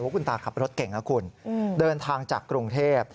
คุณตาขับรถเก่งนะคุณเดินทางจากกรุงเทพ